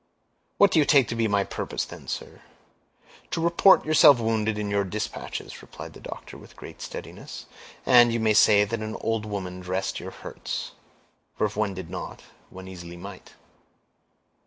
"What do you take to be my purpose, then, sir?" "To report yourself wounded in your dispatches," replied the doctor, with great steadiness; "and you may say that an old woman dressed your hurts—for if one did not, one easily might!"